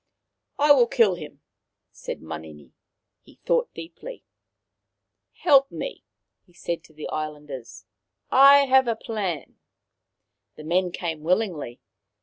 " I will kill him," said Manini. He thought deeply. " Help me," he said to the islanders. " I have a plan." The men came willingly.